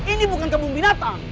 ini bukan kebung binatang